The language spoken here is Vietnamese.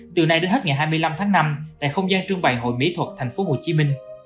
từ nay đến hết ngày hai mươi năm tháng năm tại không gian trưng bày hội bỉ thuật tp hcm